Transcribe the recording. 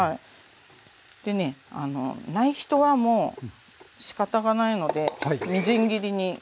でねない人はもうしかたがないのでみじん切りに包丁でして頂けると。